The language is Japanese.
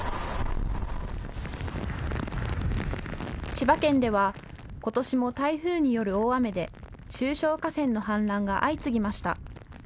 千葉県ではことしも台風による大雨で中小河川の氾濫が相次ぎました。